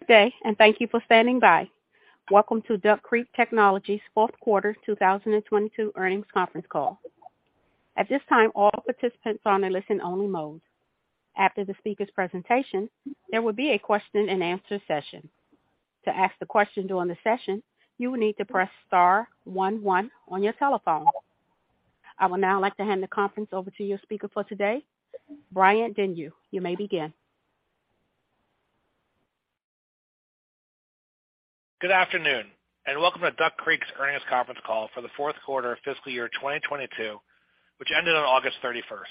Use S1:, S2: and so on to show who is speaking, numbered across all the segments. S1: Good day and thank you for standing by. Welcome to Duck Creek Technologies fourth quarter 2022 earnings conference call. At this time, all participants are on a listen-only mode. After the speaker's presentation, there will be a question-and-answer session. To ask the question during the session, you will need to press star one one on your telephone. I would now like to hand the conference over to your speaker for today, Brian Denyeau. You may begin.
S2: Good afternoon and welcome to Duck Creek's earnings conference call for the fourth quarter of fiscal year 2022, which ended on August 31st.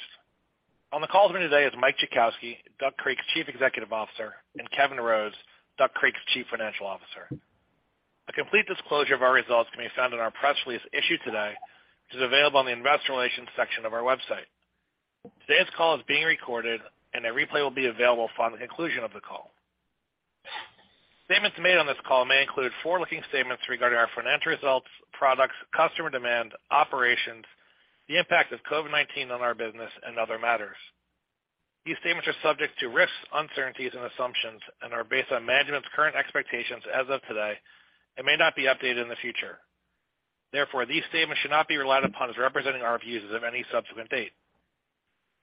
S2: On the call with me today is Mike Jackowski, Duck Creek's Chief Executive Officer, and Kevin Rhodes, Duck Creek's Chief Financial Officer. A complete disclosure of our results can be found in our press release issued today, which is available on the Investor Relations section of our website. Today's call is being recorded, and a replay will be available following the conclusion of the call. Statements made on this call may include forward-looking statements regarding our financial results, products, customer demand, operations, the impact of COVID-19 on our business, and other matters. These statements are subject to risks, uncertainties and assumptions, and are based on management's current expectations as of today and may not be updated in the future. Therefore, these statements should not be relied upon as representing our views as of any subsequent date.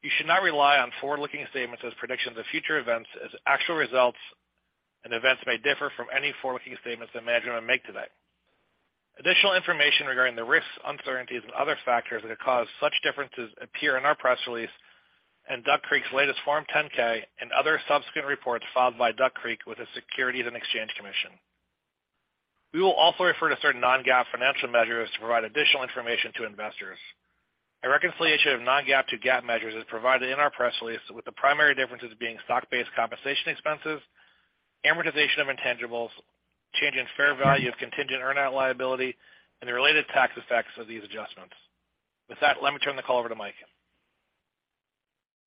S2: You should not rely on forward-looking statements as predictions of future events as actual results and events may differ from any forward-looking statements that management make today. Additional information regarding the risks, uncertainties and other factors that could cause such differences appear in our press release and Duck Creek's latest Form 10-K and other subsequent reports filed by Duck Creek with the Securities and Exchange Commission. We will also refer to certain non-GAAP financial measures to provide additional information to investors. A reconciliation of non-GAAP to GAAP measures is provided in our press release, with the primary differences being stock-based compensation expenses, amortization of intangibles, change in fair value of contingent earnout liability, and the related tax effects of these adjustments. With that, let me turn the call over to Mike.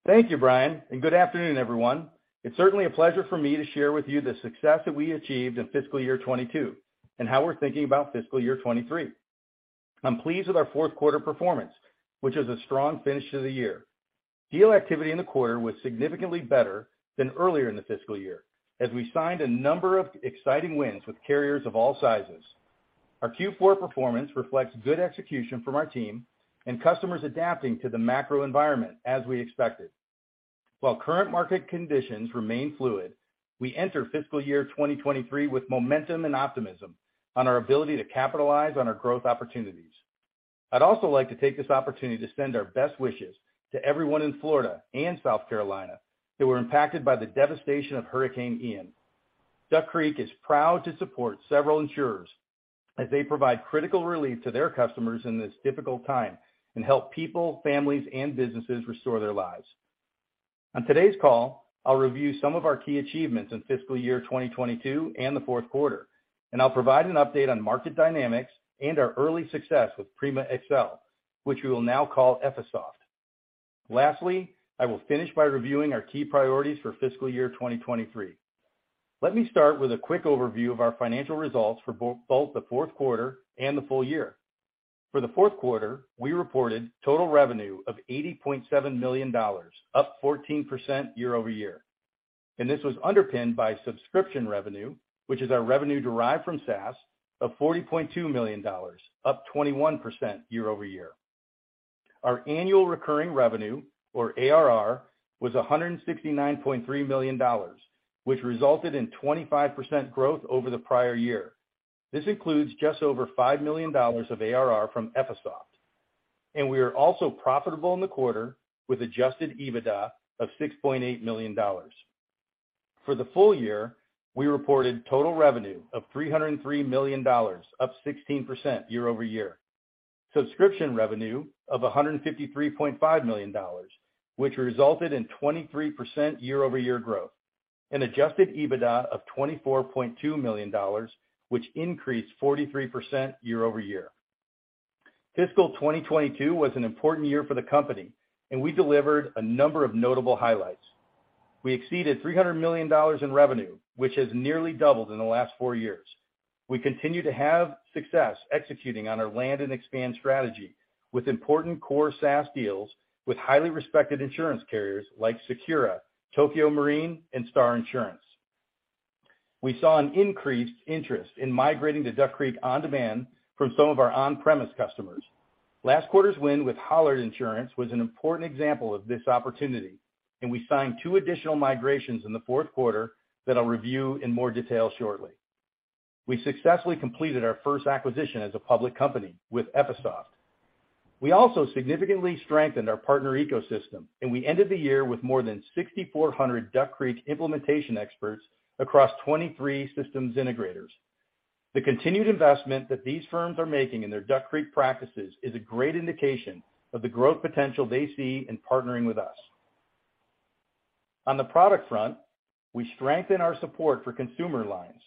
S3: Thank you, Brian, and good afternoon, everyone. It's certainly a pleasure for me to share with you the success that we achieved in fiscal year 2022 and how we're thinking about fiscal year 2023. I'm pleased with our fourth quarter performance, which is a strong finish to the year. Deal activity in the quarter was significantly better than earlier in the fiscal year as we signed a number of exciting wins with carriers of all sizes. Our Q4 performance reflects good execution from our team and customers adapting to the macro environment as we expected. While current market conditions remain fluid, we enter fiscal year 2023 with momentum and optimism on our ability to capitalize on our growth opportunities. I'd also like to take this opportunity to send our best wishes to everyone in Florida and South Carolina who were impacted by the devastation of Hurricane Ian. Duck Creek is proud to support several insurers as they provide critical relief to their customers in this difficult time and help people, families, and businesses restore their lives. On today's call, I'll review some of our key achievements in fiscal year 2022 and the fourth quarter, and I'll provide an update on market dynamics and our early success with Prima XL, which we will now call Effisoft. Lastly, I will finish by reviewing our key priorities for fiscal year 2023. Let me start with a quick overview of our financial results for both the fourth quarter and the full year. For the fourth quarter, we reported total revenue of $80.7 million, up 14% year-over-year. This was underpinned by subscription revenue, which is our revenue derived from SaaS of $40.2 million, up 21% year-over-year. Our annual recurring revenue, or ARR, was $169.3 million, which resulted in 25% growth over the prior year. This includes just over $5 million of ARR from Effisoft. We are also profitable in the quarter with adjusted EBITDA of $6.8 million. For the full year, we reported total revenue of $303 million, up 16% year-over-year. Subscription revenue of $153.5 million, which resulted in 23% year-over-year growth, and Adjusted EBITDA of $24.2 million, which increased 43% year-over-year. Fiscal 2022 was an important year for the company and we delivered a number of notable highlights. We exceeded $300 million in revenue, which has nearly doubled in the last four years. We continue to have success executing on our land and expand strategy with important core SaaS deals with highly respected insurance carriers like SECURA, Tokio Marine and Starr Insurance. We saw an increased interest in migrating to Duck Creek OnDemand from some of our on-premise customers. Last quarter's win with Hollard Insurance was an important example of this opportunity, and we signed two additional migrations in the fourth quarter that I'll review in more detail shortly. We successfully completed our first acquisition as a public company with Effisoft. We also significantly strengthened our partner ecosystem, and we ended the year with more than 6,400 Duck Creek implementation experts across 23 systems integrators. The continued investment that these firms are making in their Duck Creek practices is a great indication of the growth potential they see in partnering with us. On the product front, we strengthened our support for consumer lines,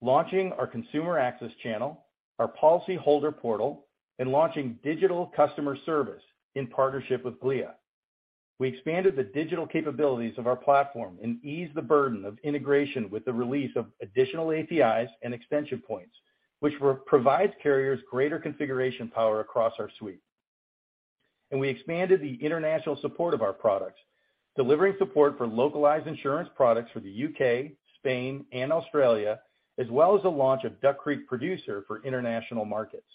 S3: launching our consumer access channel, our policyholder portal, and launching digital customer service in partnership with Glia. We expanded the digital capabilities of our platform and eased the burden of integration with the release of additional APIs and extension points, which provides carriers greater configuration power across our suite. We expanded the international support of our products, delivering support for localized insurance products for the U.K., Spain, and Australia, as well as the launch of Duck Creek Producer for international markets.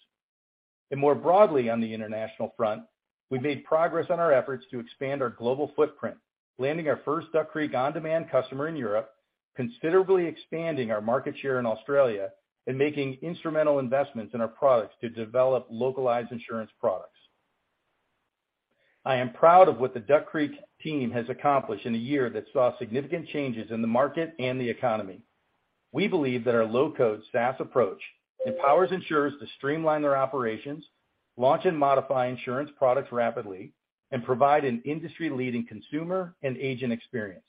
S3: More broadly on the international front, we've made progress on our efforts to expand our global footprint, landing our first Duck Creek OnDemand customer in Europe, considerably expanding our market share in Australia, and making instrumental investments in our products to develop localized insurance products. I am proud of what the Duck Creek team has accomplished in a year that saw significant changes in the market and the economy. We believe that our low-code SaaS approach empowers insurers to streamline their operations, launch and modify insurance products rapidly, and provide an industry-leading consumer and agent experience.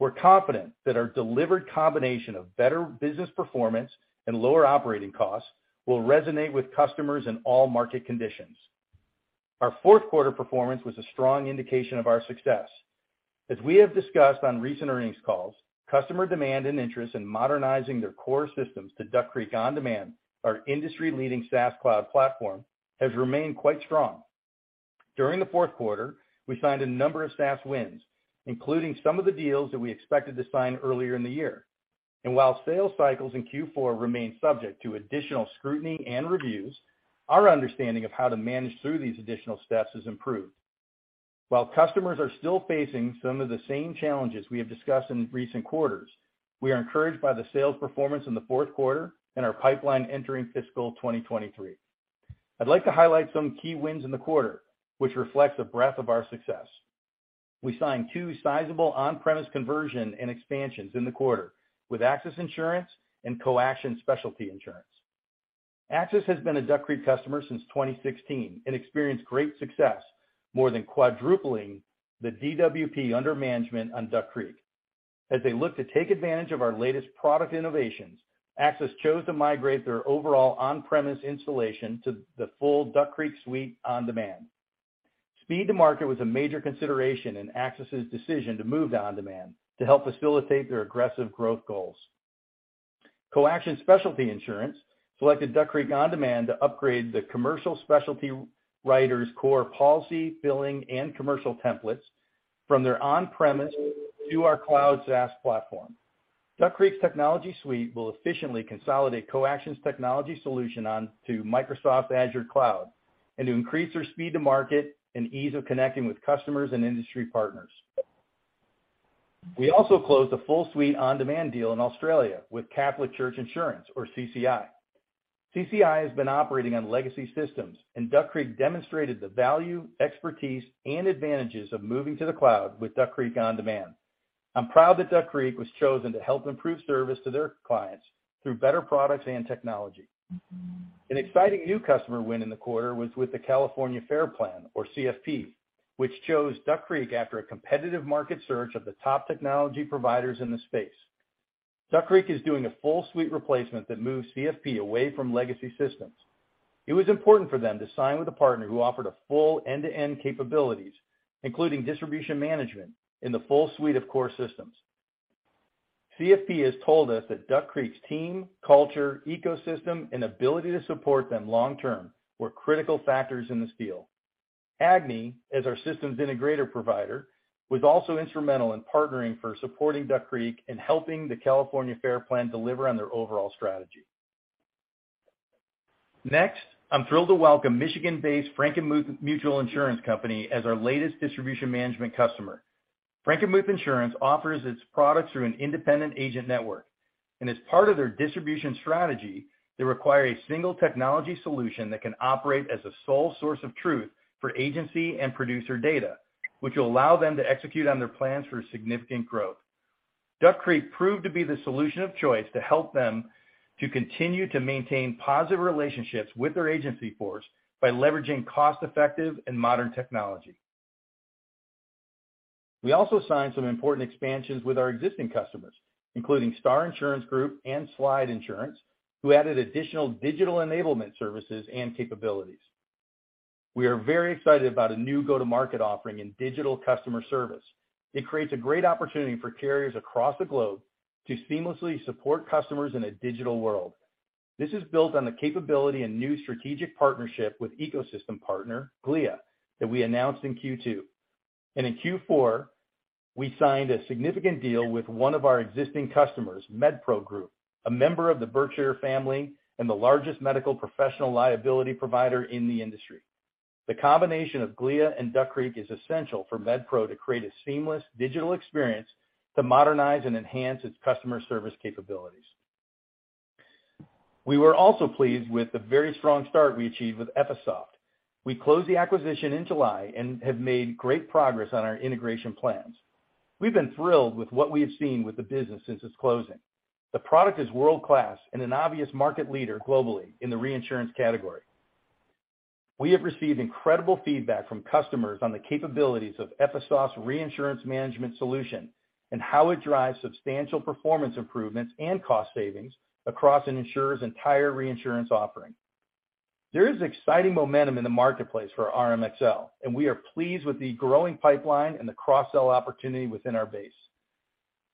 S3: We're confident that our delivered combination of better business performance and lower operating costs will resonate with customers in all market conditions. Our fourth quarter performance was a strong indication of our success. As we have discussed on recent earnings calls, customer demand and interest in modernizing their core systems to Duck Creek OnDemand, our industry-leading SaaS cloud platform, has remained quite strong. During the fourth quarter, we signed a number of SaaS wins, including some of the deals that we expected to sign earlier in the year. While sales cycles in Q4 remain subject to additional scrutiny and reviews, our understanding of how to manage through these additional steps has improved. While customers are still facing some of the same challenges we have discussed in recent quarters, we are encouraged by the sales performance in the fourth quarter and our pipeline entering fiscal 2023. I'd like to highlight some key wins in the quarter, which reflects the breadth of our success. We signed two sizable on-premise conversion and expansions in the quarter with AXIS Insurance and Coaction Specialty Insurance. AXIS has been a Duck Creek customer since 2016 and experienced great success, more than quadrupling the DWP under management on Duck Creek. As they look to take advantage of our latest product innovations, AXIS chose to migrate their overall on-premise installation to the full Duck Creek OnDemand. Speed to market was a major consideration in AXIS Insurance's decision to move to OnDemand to help facilitate their aggressive growth goals. Coaction Specialty Insurance selected Duck Creek OnDemand to upgrade the commercial specialty writers' core policy, billing, and commercial templates from their on-premise to our cloud SaaS platform. Duck Creek's technology suite will efficiently consolidate Coaction's technology solution onto Microsoft Azure cloud and to increase their speed to market and ease of connecting with customers and industry partners. We also closed a full suite OnDemand deal in Australia with Catholic Church Insurance, or CCI. CCI has been operating on legacy systems, and Duck Creek demonstrated the value, expertise, and advantages of moving to the cloud with Duck Creek OnDemand. I'm proud that Duck Creek was chosen to help improve service to their clients through better products and technology. An exciting new customer win in the quarter was with the California FAIR Plan, or CFP, which chose Duck Creek after a competitive market search of the top technology providers in the space. Duck Creek is doing a full suite replacement that moves CFP away from legacy systems. It was important for them to sign with a partner who offered a full end-to-end capability, including distribution management in the full suite of core systems. CFP has told us that Duck Creek's team, culture, ecosystem, and ability to support them long term were critical factors in this deal. Accenture, as our systems integrator provider, was also instrumental in partnering for supporting Duck Creek and helping the California FAIR Plan deliver on their overall strategy. Next, I'm thrilled to welcome Michigan-based Frankenmuth Mutual Insurance Company as our latest distribution management customer. Frankenmuth Insurance offers its products through an independent agent network. As part of their distribution strategy, they require a single technology solution that can operate as a sole source of truth for agency and producer data, which will allow them to execute on their plans for significant growth. Duck Creek proved to be the solution of choice to help them to continue to maintain positive relationships with their agency force by leveraging cost-effective and modern technology. We also signed some important expansions with our existing customers, including Starr Insurance Companies and Slide Insurance, who added additional digital enablement services and capabilities. We are very excited about a new go-to-market offering in digital customer service. It creates a great opportunity for carriers across the globe to seamlessly support customers in a digital world. This is built on the capability and new strategic partnership with ecosystem partner Glia that we announced in Q2. In Q4, we signed a significant deal with one of our existing customers, MedPro Group, a member of the Berkshire family and the largest medical professional liability provider in the industry. The combination of Glia and Duck Creek is essential for MedPro to create a seamless digital experience to modernize and enhance its customer service capabilities. We were also pleased with the very strong start we achieved with Effisoft. We closed the acquisition in July and have made great progress on our integration plans. We've been thrilled with what we have seen with the business since its closing. The product is world-class and an obvious market leader globally in the reinsurance category. We have received incredible feedback from customers on the capabilities of Effisoft's reinsurance management solution and how it drives substantial performance improvements and cost savings across an insurer's entire reinsurance offering. There is exciting momentum in the marketplace for our MXL, and we are pleased with the growing pipeline and the cross-sell opportunity within our base.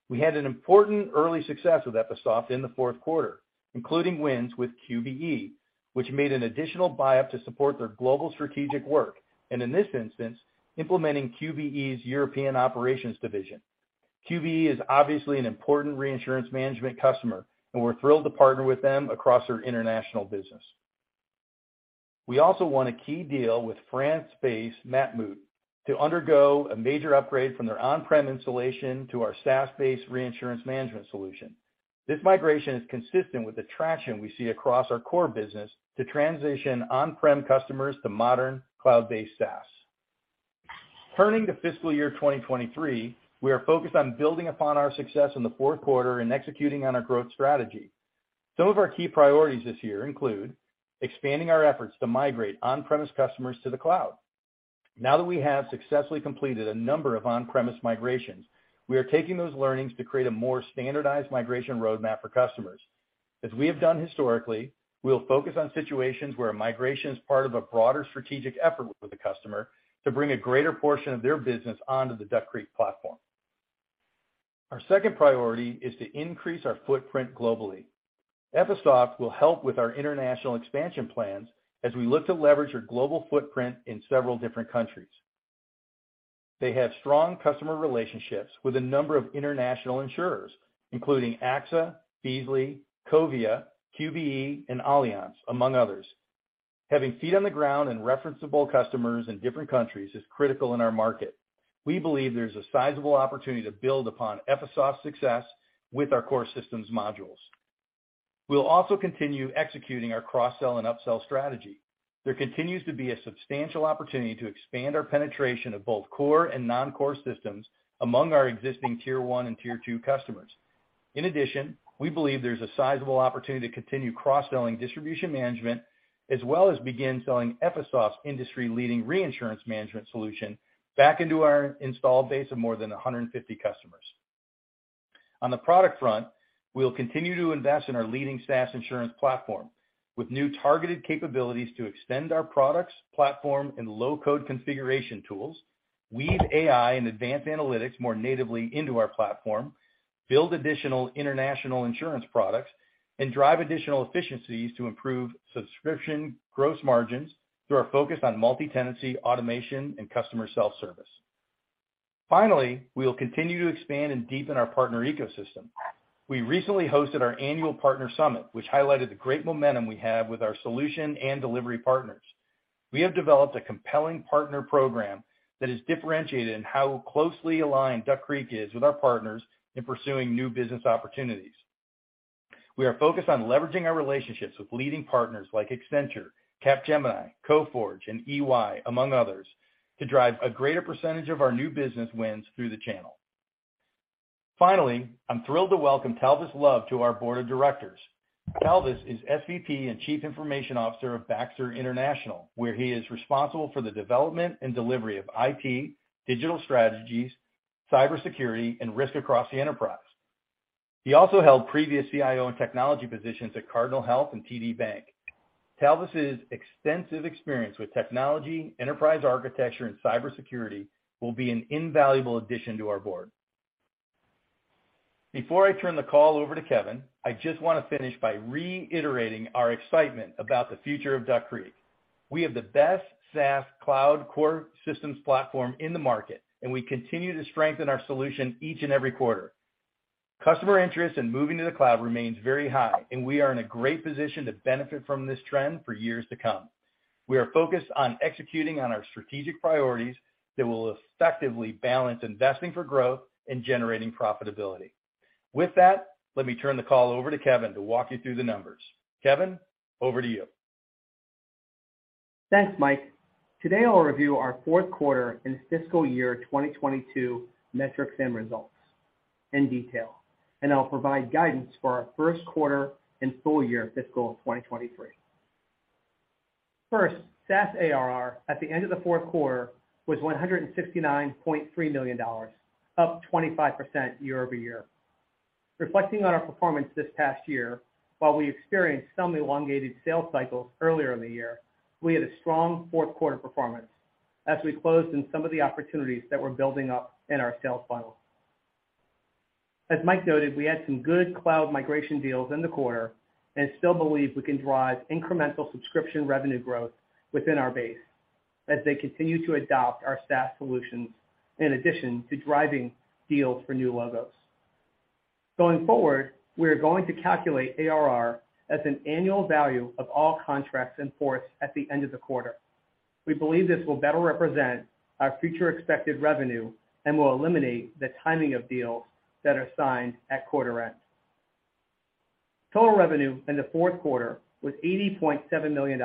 S3: We had an important early success with Effisoft in the fourth quarter, including wins with QBE, which made an additional buy-up to support their global strategic work, and in this instance, implementing QBE's European operations division. QBE is obviously an important reinsurance management customer, and we're thrilled to partner with them across our international business. We also won a key deal with France-based Matmut to undergo a major upgrade from their on-prem installation to our SaaS-based reinsurance management solution. This migration is consistent with the traction we see across our core business to transition on-prem customers to modern cloud-based SaaS. Turning to fiscal year 2023, we are focused on building upon our success in the fourth quarter and executing on our growth strategy. Some of our key priorities this year include expanding our efforts to migrate on-premise customers to the cloud. Now that we have successfully completed a number of on-premise migrations, we are taking those learnings to create a more standardized migration roadmap for customers. As we have done historically, we'll focus on situations where a migration is part of a broader strategic effort with the customer to bring a greater portion of their business onto the Duck Creek platform. Our second priority is to increase our footprint globally. Effisoft will help with our international expansion plans as we look to leverage our global footprint in several different countries. They have strong customer relationships with a number of international insurers, including AXA, Beazley, Covéa, QBE, and Allianz, among others. Having feet on the ground and referenceable customers in different countries is critical in our market. We believe there's a sizable opportunity to build upon Effisoft's success with our core systems modules. We'll also continue executing our cross-sell and upsell strategy. There continues to be a substantial opportunity to expand our penetration of both core and non-core systems among our existing Tier One and Tier Two customers. In addition, we believe there's a sizable opportunity to continue cross-selling distribution management, as well as begin selling Effisoft's industry-leading reinsurance management solution back into our installed base of more than 150 customers. On the product front, we'll continue to invest in our leading SaaS insurance platform with new targeted capabilities to extend our products, platform, and low-code configuration tools, weave AI and advanced analytics more natively into our platform, build additional international insurance products, and drive additional efficiencies to improve subscription gross margins through our focus on multi-tenancy, automation, and customer self-service. Finally, we will continue to expand and deepen our partner ecosystem. We recently hosted our annual partner summit, which highlighted the great momentum we have with our solution and delivery partners. We have developed a compelling partner program that is differentiated in how closely aligned Duck Creek is with our partners in pursuing new business opportunities. We are focused on leveraging our relationships with leading partners like Accenture, Capgemini, Coforge, and EY, among others, to drive a greater percentage of our new business wins through the channel. Finally, I'm thrilled to welcome Talvis Love to our board of directors. Talvis is SVP and Chief Information Officer of Baxter International, where he is responsible for the development and delivery of IT, digital strategies, cybersecurity, and risk across the enterprise. He also held previous CIO and technology positions at Cardinal Health and TD Bank. Talvis's extensive experience with technology, enterprise architecture, and cybersecurity will be an invaluable addition to our board. Before I turn the call over to Kevin, I just want to finish by reiterating our excitement about the future of Duck Creek. We have the best SaaS cloud core systems platform in the market, and we continue to strengthen our solution each and every quarter. Customer interest in moving to the cloud remains very high, and we are in a great position to benefit from this trend for years to come. We are focused on executing on our strategic priorities that will effectively balance investing for growth and generating profitability. With that, let me turn the call over to Kevin to walk you through the numbers. Kevin, over to you.
S4: Thanks, Mike. Today, I'll review our fourth quarter and fiscal year 2022 metrics and results in detail, and I'll provide guidance for our first quarter and full year fiscal of 2023. First, SaaS ARR at the end of the fourth quarter was $159.3 million, up 25% year-over-year. Reflecting on our performance this past year, while we experienced some elongated sales cycles earlier in the year, we had a strong fourth quarter performance as we closed in some of the opportunities that were building up in our sales funnel. As Mike noted, we had some good cloud migration deals in the quarter and still believe we can drive incremental subscription revenue growth within our base as they continue to adopt our SaaS solutions in addition to driving deals for new logos. Going forward, we are going to calculate ARR as an annual value of all contracts in force at the end of the quarter. We believe this will better represent our future expected revenue and will eliminate the timing of deals that are signed at quarter end. Total revenue in the fourth quarter was $80.7 million,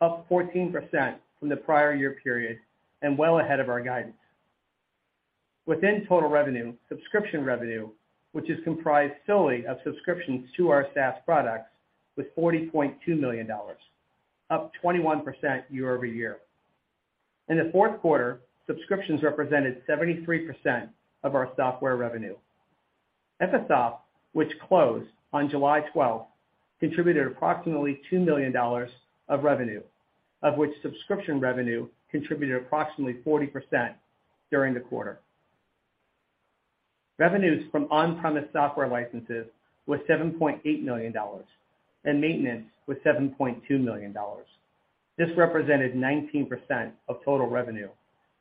S4: up 14% from the prior year period and well ahead of our guidance. Within total revenue, subscription revenue, which is comprised solely of subscriptions to our SaaS products, was $40.2 million, up 21% year-over-year. In the fourth quarter, subscriptions represented 73% of our software revenue. Effisoft, which closed on July 12th, contributed approximately $2 million of revenue. Of which subscription revenue contributed approximately 40% during the quarter. Revenues from on-premise software licenses was $7.8 million and maintenance was $7.2 million. This represented 19% of total revenue,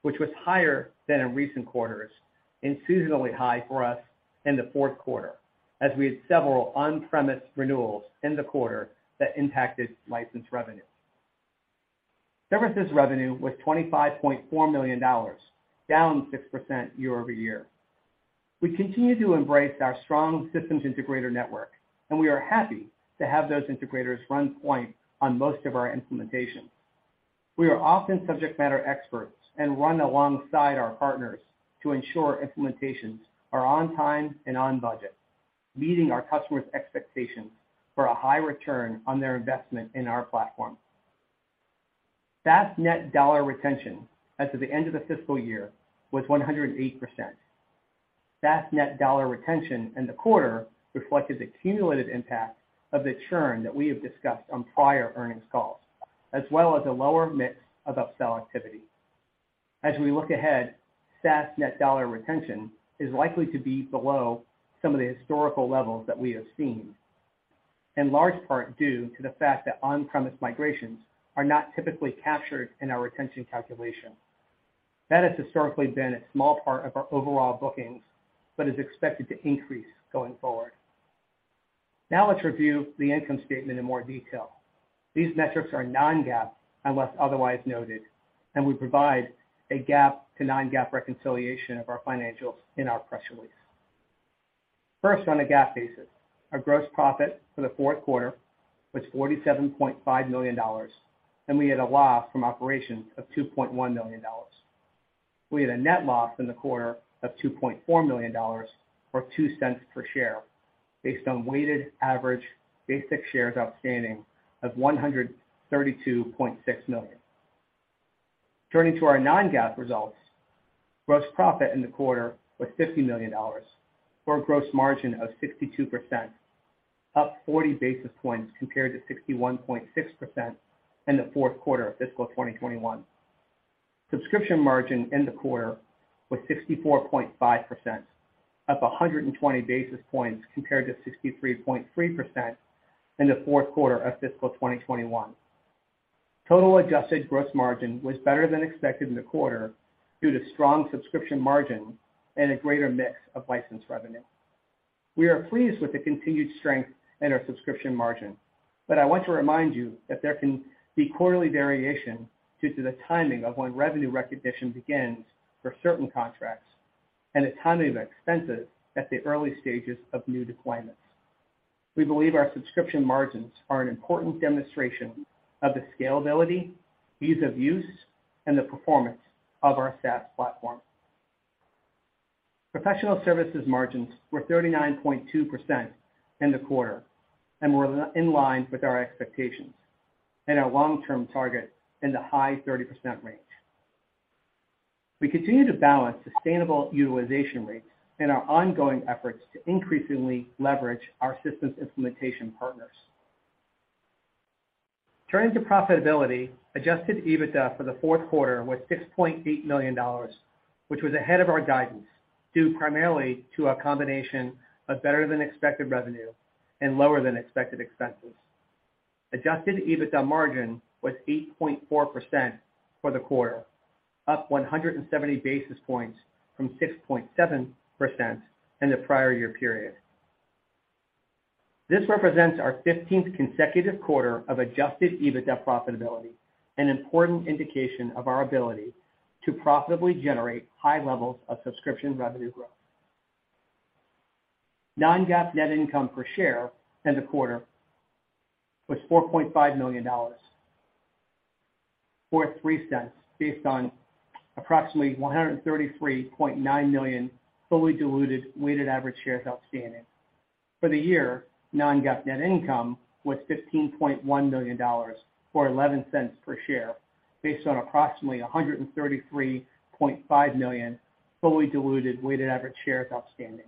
S4: which was higher than in recent quarters and seasonally high for us in the fourth quarter, as we had several on-premise renewals in the quarter that impacted license revenue. Services revenue was $25.4 million, down 6% year-over-year. We continue to embrace our strong systems integrator network, and we are happy to have those integrators run point on most of our implementations. We are often subject matter experts and run alongside our partners to ensure implementations are on time and on budget, meeting our customers' expectations for a high return on their investment in our platform. SaaS net dollar retention as of the end of the fiscal year was 108%. SaaS net dollar retention in the quarter reflected the cumulative impact of the churn that we have discussed on prior earnings calls, as well as a lower mix of upsell activity. As we look ahead, SaaS net dollar retention is likely to be below some of the historical levels that we have seen, in large part due to the fact that on-premise migrations are not typically captured in our retention calculation. That has historically been a small part of our overall bookings, but is expected to increase going forward. Now let's review the income statement in more detail. These metrics are non-GAAP, unless otherwise noted, and we provide a GAAP to non-GAAP reconciliation of our financials in our press release. First, on a GAAP basis, our gross profit for the fourth quarter was $47.5 million, and we had a loss from operations of $2.1 million. We had a net loss in the quarter of $2.4 million, or $0.02 per share based on weighted average basic shares outstanding of 132.6 million. Turning to our non-GAAP results. Gross profit in the quarter was $50 million, for a gross margin of 62%, up 40 basis points compared to 61.6% in the fourth quarter of fiscal 2021. Subscription margin in the quarter was 64.5%, up 120 basis points compared to 63.3% in the fourth quarter of fiscal 2021. Total Adjusted Gross Margin was better than expected in the quarter due to strong subscription margin and a greater mix of licensed revenue. We are pleased with the continued strength in our subscription margin, but I want to remind you that there can be quarterly variation due to the timing of when revenue recognition begins for certain contracts and the timing of expenses at the early stages of new deployments. We believe our subscription margins are an important demonstration of the scalability, ease of use, and the performance of our SaaS platform. Professional services margins were 39.2% in the quarter and were in line with our expectations and our long-term target in the high 30% range. We continue to balance sustainable utilization rates in our ongoing efforts to increasingly leverage our systems implementation partners. Turning to profitability. Adjusted EBITDA for the fourth quarter was $6.8 million, which was ahead of our guidance, due primarily to a combination of better-than-expected revenue and lower than expected expenses. Adjusted EBITDA margin was 8.4% for the quarter, up 170 basis points from 6.7% in the prior year period. This represents our 15th consecutive quarter of adjusted EBITDA profitability, an important indication of our ability to profitably generate high levels of subscription revenue growth. Non-GAAP net income per share in the quarter was $4.5 million, or $0.03 based on approximately 133.9 million fully diluted weighted average shares outstanding. For the year, non-GAAP net income was $15.1 million, or $0.11 per share based on approximately 133.5 million fully diluted weighted average shares outstanding.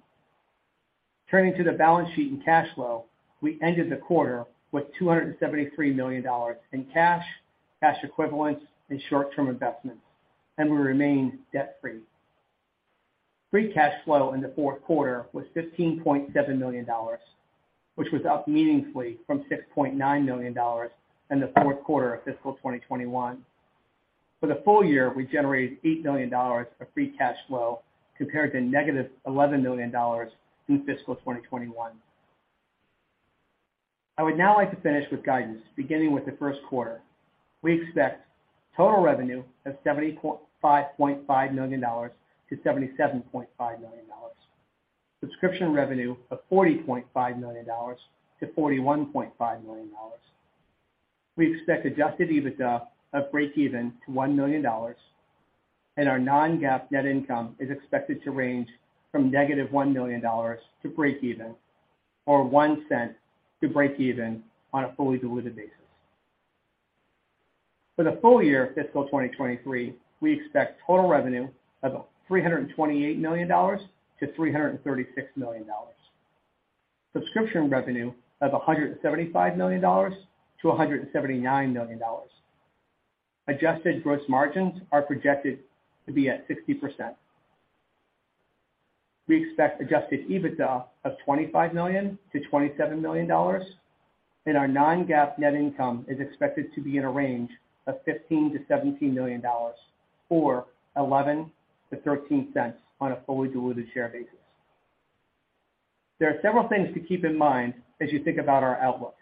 S4: Turning to the balance sheet and cash flow. We ended the quarter with $273 million in cash equivalents, and short-term investments, and we remain debt-free. Free cash flow in the fourth quarter was $15.7 million, which was up meaningfully from $6.9 million in the fourth quarter of fiscal 2021. For the full year, we generated $8 million of free cash flow compared to -$11 million in fiscal 2021. I would now like to finish with guidance. Beginning with the first quarter, we expect total revenue of $75.5 million-$77.5 million. Subscription revenue of $40.5 million-$41.5 million. We expect Adjusted EBITDA of breakeven to $1 million, and our non-GAAP net income is expected to range from -$1 million to breakeven or $0.01-breakeven on a fully diluted basis. For the full year fiscal 2023, we expect total revenue of $328 million-$336 million. Subscription revenue of $175 million-$179 million. Adjusted gross margins are projected to be at 60%. We expect Adjusted EBITDA of $25 million-$27 million. Our non-GAAP net income is expected to be in a range of $15 million-$17 million, or $0.11-$0.13 on a fully diluted share basis. There are several things to keep in mind as you think about our outlook.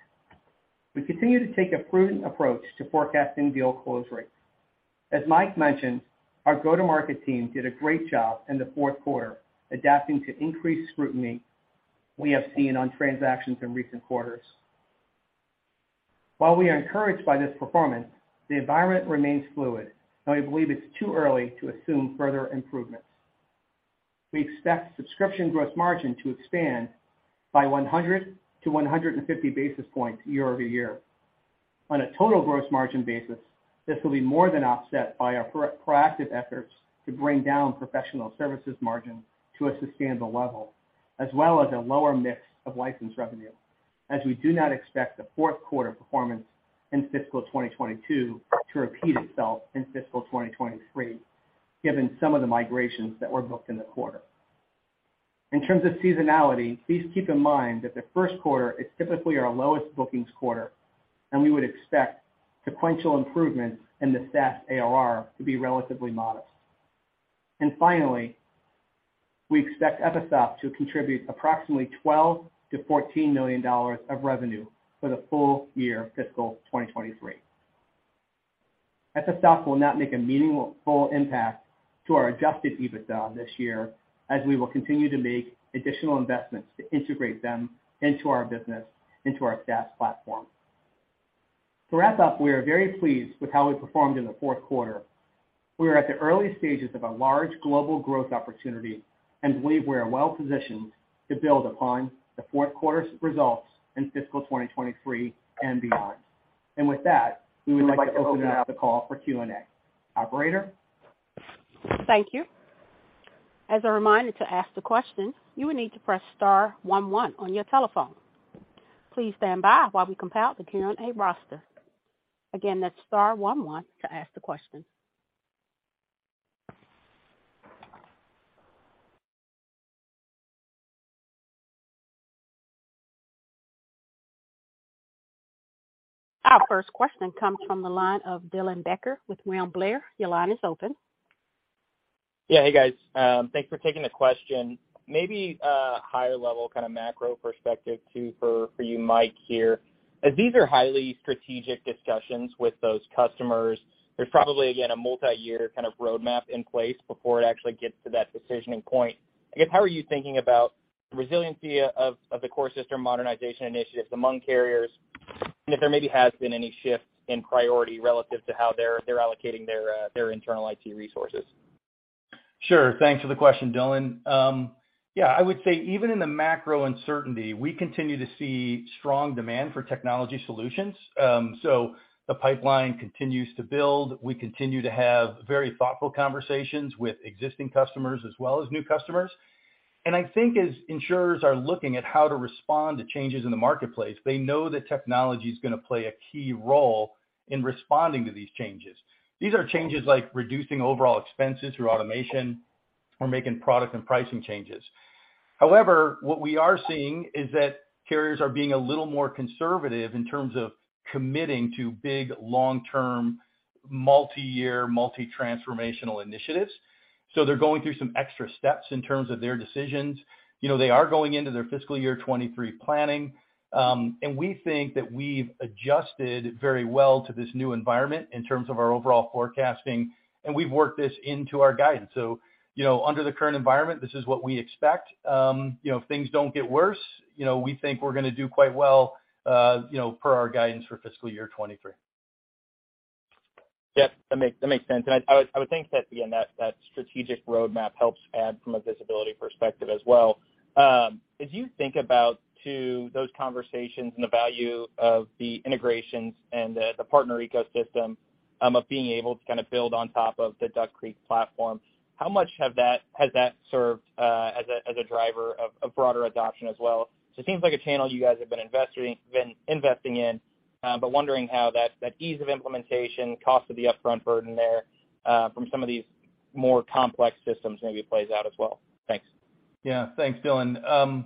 S4: We continue to take a prudent approach to forecasting deal close rates. As Mike mentioned, our go-to-market team did a great job in the fourth quarter adapting to increased scrutiny we have seen on transactions in recent quarters. While we are encouraged by this performance, the environment remains fluid, and we believe it's too early to assume further improvements. We expect subscription gross margin to expand by 100-150 basis points year-over-year. On a total gross margin basis, this will be more than offset by our proactive efforts to bring down professional services margin to a sustainable level, as well as a lower mix of license revenue, as we do not expect the fourth quarter performance in fiscal 2022 to repeat itself in fiscal 2023, given some of the migrations that were booked in the quarter. In terms of seasonality, please keep in mind that the first quarter is typically our lowest bookings quarter, and we would expect sequential improvements in the SaaS ARR to be relatively modest. Finally, we expect Effisoft to contribute approximately $12 million-$14 million of revenue for the full year fiscal 2023. Effisoft will not make a meaningful impact to our adjusted EBITDA this year, as we will continue to make additional investments to integrate them into our business, into our SaaS platform. To wrap up, we are very pleased with how we performed in the fourth quarter. We are at the early stages of a large global growth opportunity and believe we are well-positioned to build upon the fourth quarter's results in fiscal 2023 and beyond. With that, we would like to open up the call for Q&A. Operator?
S1: Thank you. As a reminder, to ask the question, you will need to press star one one on your telephone. Please stand by while we compile the Q&A roster. Again, that's star one one to ask the question. Our first question comes from the line of Dylan Becker with William Blair. Your line is open.
S5: Yeah. Hey, guys. Thanks for taking the question. Maybe a higher-level kind of macro perspective too for you, Mike, here. As these are highly strategic discussions with those customers, there's probably, again, a multiyear kind of roadmap in place before it actually gets to that decisioning point. I guess, how are you thinking about the resiliency of the core system modernization initiatives among carriers, and if there maybe have been any shifts in priority relative to how they're allocating their internal IT resources?
S3: Sure. Thanks for the question, Dylan. Yeah, I would say even in the macro uncertainty, we continue to see strong demand for technology solutions. The pipeline continues to build. We continue to have very thoughtful conversations with existing customers as well as new customers. I think as insurers are looking at how to respond to changes in the marketplace, they know that technology is gonna play a key role in responding to these changes. These are changes like reducing overall expenses through automation or making product and pricing changes. However, what we are seeing is that carriers are being a little more conservative in terms of committing to big, long-term, multi-year, multi-transformational initiatives. They're going through some extra steps in terms of their decisions. You know, they are going into their fiscal year 2023 planning. We think that we've adjusted very well to this new environment in terms of our overall forecasting, and we've worked this into our guidance. You know, under the current environment, this is what we expect. You know, if things don't get worse, you know, we think we're gonna do quite well, you know, per our guidance for fiscal year 2023.
S5: Yeah, that makes sense. I would think that, again, that strategic roadmap helps add from a visibility perspective as well. As you think about those conversations and the value of the integrations and the partner ecosystem of being able to kind of build on top of the Duck Creek platform, how much has that served as a driver of broader adoption as well? It seems like a channel you guys have been investing in, but wondering how that ease of implementation, cost of the upfront burden there from some of these more complex systems maybe plays out as well. Thanks.
S3: Yeah. Thanks, Dylan.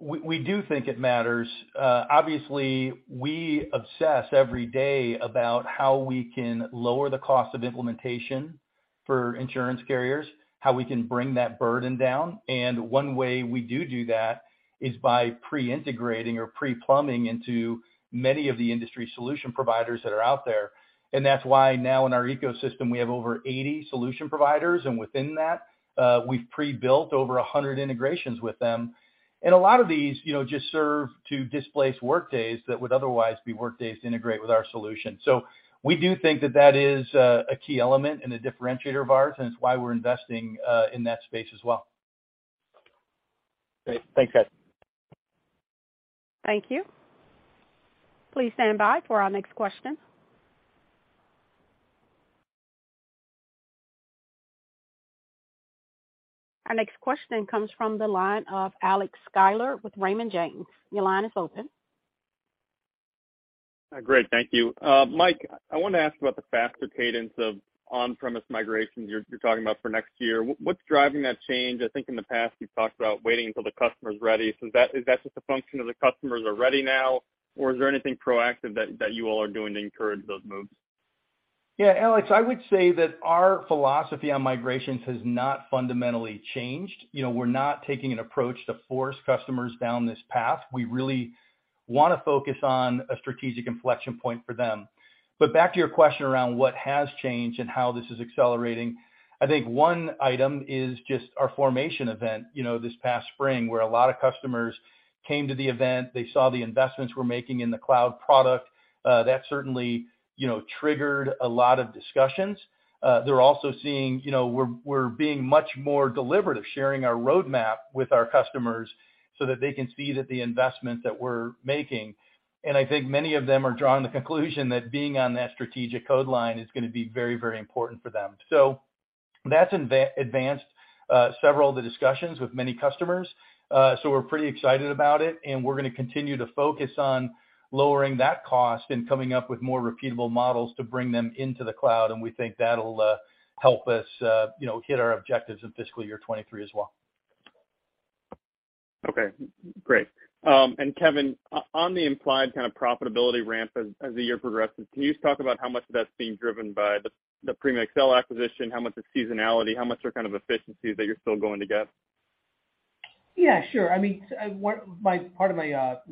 S3: We do think it matters. Obviously, we obsess every day about how we can lower the cost of implementation for insurance carriers, how we can bring that burden down. One way we do that is by pre-integrating or pre-plumbing into many of the industry solution providers that are out there. That's why now in our ecosystem, we have over 80 solution providers, and within that, we've pre-built over 100 integrations with them. A lot of these, you know, just serve to displace workdays that would otherwise be workdays to integrate with our solution. We do think that is a key element and a differentiator of ours, and it's why we're investing in that space as well.
S5: Great. Thanks, guys.
S1: Thank you. Please stand by for our next question. Our next question comes from the line of Alex Sklar with Raymond James. Your line is open.
S6: Great. Thank you. Mike, I wanted to ask about the faster cadence of on-premise migrations you're talking about for next year. What's driving that change? I think in the past, you've talked about waiting until the customer's ready. Is that just a function of the customers are ready now, or is there anything proactive that you all are doing to encourage those moves?
S3: Yeah. Alex, I would say that our philosophy on migrations has not fundamentally changed. You know, we're not taking an approach to force customers down this path. We really wanna focus on a strategic inflection point for them. Back to your question around what has changed and how this is accelerating, I think one item is just our formation event, you know, this past spring, where a lot of customers came to the event, they saw the investments we're making in the cloud product. That certainly, you know, triggered a lot of discussions. They're also seeing, you know, we're being much more deliberative, sharing our roadmap with our customers so that they can see that the investment that we're making. I think many of them are drawing the conclusion that being on that strategic code line is gonna be very, very important for them. That's advanced several of the discussions with many customers. We're pretty excited about it, and we're gonna continue to focus on lowering that cost and coming up with more repeatable models to bring them into the cloud, and we think that'll help us, you know, hit our objectives in fiscal year 2023 as well.
S6: Okay. Great. Kevin, on the implied kind of profitability ramp as the year progresses, can you just talk about how much of that's being driven by the Prima XL acquisition? How much is seasonality? How much are kind of efficiencies that you're still going to get?
S4: Yeah, sure. I mean, part of my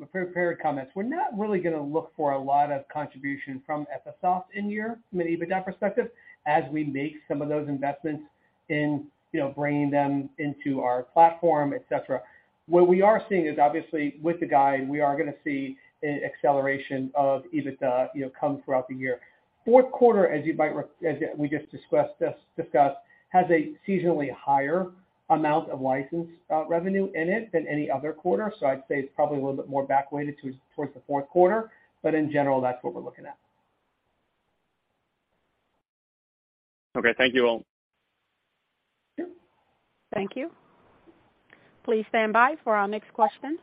S4: pre-prepared comments, we're not really gonna look for a lot of contribution from Effisoft in year from an EBITDA perspective, as we make some of those investments in, you know, bringing them into our platform, et cetera. What we are seeing is obviously with the guide, we are gonna see a acceleration of EBITDA, you know, come throughout the year. Fourth quarter, as you might as we just discussed, has a seasonally higher amount of license revenue in it than any other quarter. I'd say it's probably a little bit more back weighted towards the fourth quarter, but in general, that's what we're looking at.
S6: Okay, thank you all.
S4: Sure.
S1: Thank you. Please stand by for our next question.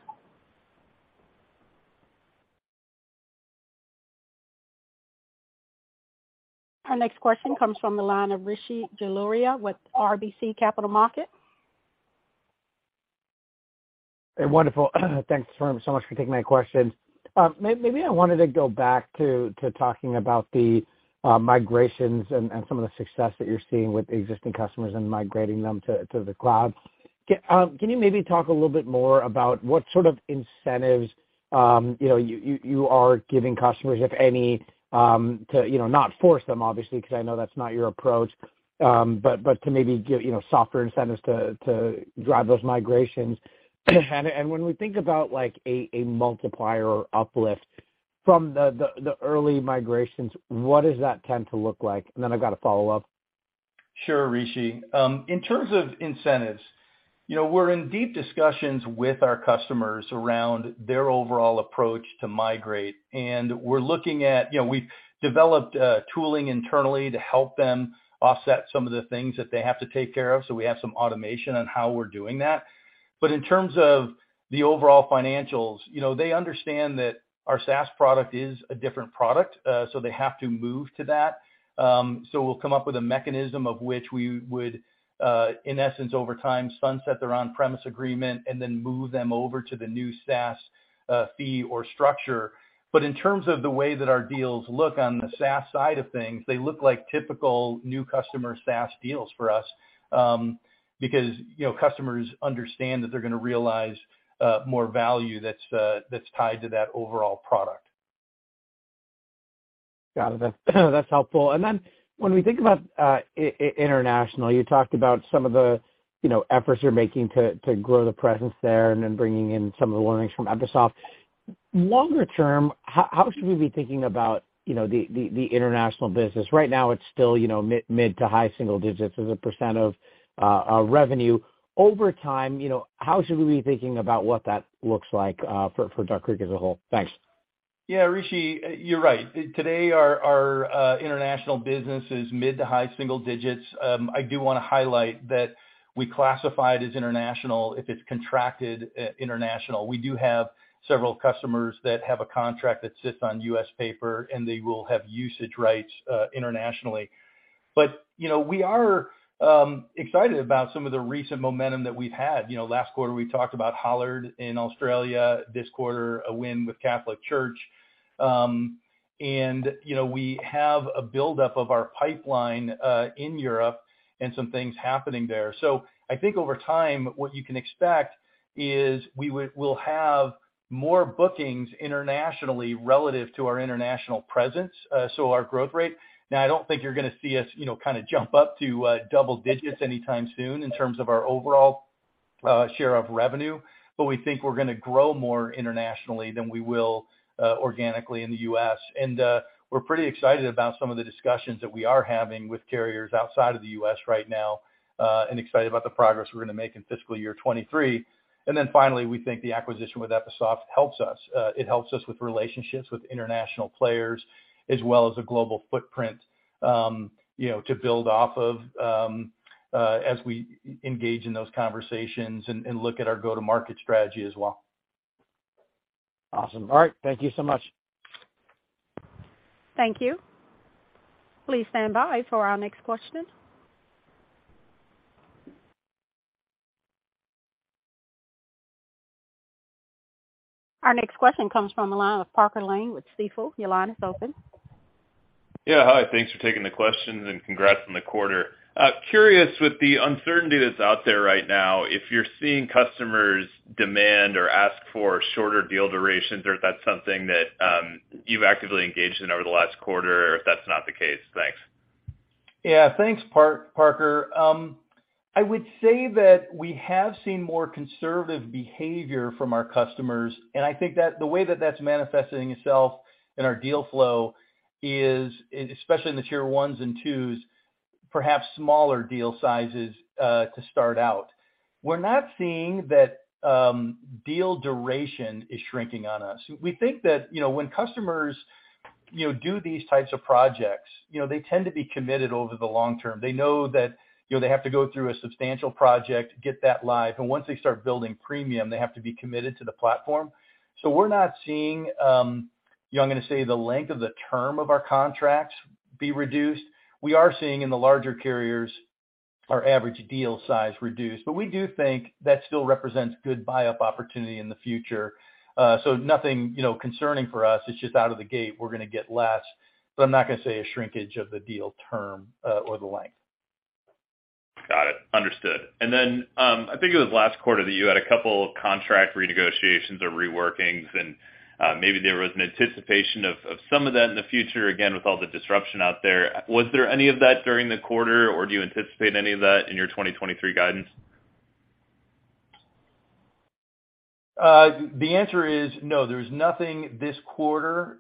S1: Our next question comes from the line of Rishi Jaluria with RBC Capital Markets.
S7: Hey. Wonderful. Thanks so much for taking my questions. Maybe I wanted to go back to talking about the migrations and some of the success that you're seeing with existing customers and migrating them to the cloud. Can you maybe talk a little bit more about what sort of incentives you know, you are giving customers, if any, to you know, not force them obviously, 'cause I know that's not your approach, but to maybe give you know, softer incentives to drive those migrations? When we think about like a multiplier uplift from the early migrations, what does that tend to look like? I've got a follow-up.
S3: Sure, Rishi. In terms of incentives, you know, we're in deep discussions with our customers around their overall approach to migrate. We're looking at, you know, we've developed tooling internally to help them offset some of the things that they have to take care of, so we have some automation on how we're doing that. In terms of the overall financials, you know, they understand that our SaaS product is a different product, so they have to move to that. We'll come up with a mechanism of which we would, in essence over time, sunset their on-premise agreement and then move them over to the new SaaS, fee or structure. In terms of the way that our deals look on the SaaS side of things, they look like typical new customer SaaS deals for us, because, you know, customers understand that they're gonna realize more value that's tied to that overall product.
S7: Got it. That's helpful. When we think about international, you talked about some of the, you know, efforts you're making to grow the presence there and then bringing in some of the learnings from Effisoft. Longer term, how should we be thinking about, you know, the international business? Right now, it's still, you know, mid- to high single digits as a percent of revenue. Over time, you know, how should we be thinking about what that looks like for Duck Creek as a whole? Thanks.
S3: Yeah, Rishi, you're right. Today, our international business is mid- to high-single digits. I do want to highlight that we classify it as international if it's contracted international. We do have several customers that have a contract that sits on U.S. paper, and they will have usage rights internationally. But, you know, we are excited about some of the recent momentum that we've had. You know, last quarter, we talked about Hollard in Australia. This quarter, a win with Catholic Church. And, you know, we have a buildup of our pipeline in Europe and some things happening there. I think over time, what you can expect is we'll have more bookings internationally relative to our international presence, so our growth rate. Now, I don't think you're gonna see us, you know, kinda jump up to double digits anytime soon in terms of our overall share of revenue. We think we're gonna grow more internationally than we will organically in the U.S. We're pretty excited about some of the discussions that we are having with carriers outside of the U.S. right now and excited about the progress we're gonna make in fiscal year 2023. Finally, we think the acquisition with Effisoft helps us. It helps us with relationships with international players as well as a global footprint, you know, to build off of as we engage in those conversations and look at our go-to-market strategy as well. Awesome. All right. Thank you so much.
S1: Thank you. Please stand by for our next question. Our next question comes from the line of Parker Lane with Stifel. Your line is open.
S8: Yeah. Hi. Thanks for taking the questions and congrats on the quarter. Curious with the uncertainty that's out there right now, if you're seeing customers demand or ask for shorter deal durations, or if that's something that, you've actively engaged in over the last quarter, or if that's not the case? Thanks.
S3: Yeah. Thanks, Parker. I would say that we have seen more conservative behavior from our customers, and I think that the way that that's manifesting itself in our deal flow is, especially in the tier ones and twos, perhaps smaller deal sizes to start out. We're not seeing that deal duration is shrinking on us. We think that, you know, when customers, you know, do these types of projects, you know, they tend to be committed over the long term. They know that, you know, they have to go through a substantial project to get that live. Once they start building premium, they have to be committed to the platform. We're not seeing, you know, I'm gonna say the length of the term of our contracts be reduced. We are seeing in the larger carriers our average deal size reduced, but we do think that still represents good buy-up opportunity in the future. Nothing, you know, concerning for us. It's just out of the gate, we're gonna get less, but I'm not gonna say a shrinkage of the deal term, or the length.
S8: Got it. Understood. I think it was last quarter that you had a couple of contract renegotiations or reworkings and, maybe there was an anticipation of some of that in the future, again, with all the disruption out there. Was there any of that during the quarter, or do you anticipate any of that in your 2023 guidance?
S3: The answer is no. There's nothing this quarter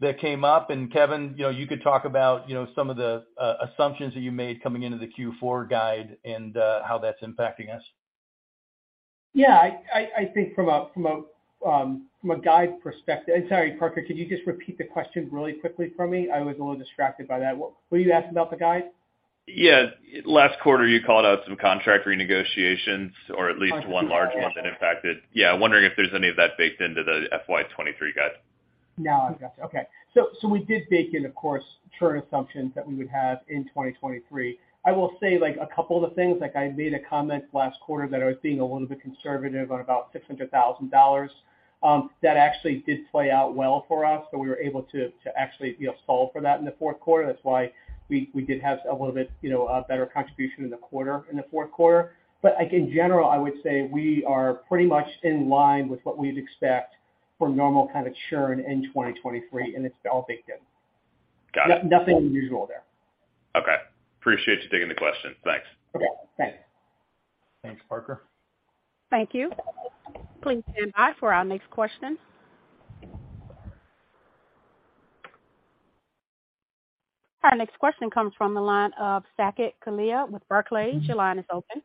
S3: that came up. Kevin, you know, you could talk about, you know, some of the assumptions that you made coming into the Q4 guide and how that's impacting us.
S4: Yeah. I think from a guide perspective. Sorry, Parker, could you just repeat the question really quickly for me? I was a little distracted by that. Were you asking about the guide?
S8: Yeah. Last quarter, you called out some contract renegotiations or at least one large one that impacted. Yeah, wondering if there's any of that baked into the FY 2023 guide?
S4: No, I got you. Okay. We did bake in, of course, churn assumptions that we would have in 2023. I will say, like, a couple of the things, like I made a comment last quarter that I was being a little bit conservative on about $600,000. That actually did play out well for us, so we were able to actually, you know, solve for that in the fourth quarter. That's why we did have a little bit, you know, a better contribution in the quarter, in the fourth quarter. Like, in general, I would say we are pretty much in line with what we'd expect from normal kind of churn in 2023, and it's all baked in.
S8: Got it.
S4: Nothing unusual there.
S8: Okay. Appreciate you taking the question. Thanks.
S4: Okay. Thanks.
S3: Thanks, Parker.
S1: Thank you. Please stand by for our next question. Our next question comes from the line of Saket Kalia with Barclays. Your line is open.